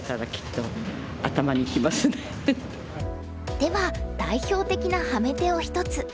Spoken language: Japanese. では代表的なハメ手を一つ。